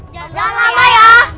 jangan lama ya